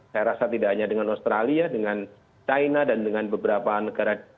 saya rasa tidak hanya dengan australia dengan china dan dengan beberapa negara